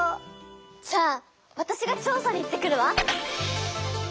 じゃああたしが調さに行ってくるわ！